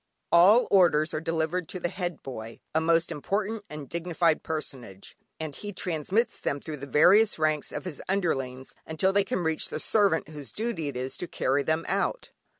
All orders are delivered to the Head Boy, a most important and dignified personage, and he transmits them through the various ranks of his underlings until they reach the servant whose duty it is to carry them out.